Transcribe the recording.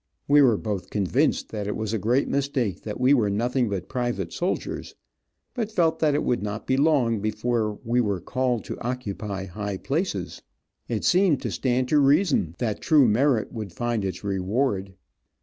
We were both convinced that it was a great mistake that we were nothing but private soldiers, but felt that it would not be long before we were called to occupy high places. It seemed to stand to reason that true merit would find its reward.